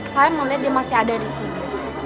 saya melihat dia masih ada di sini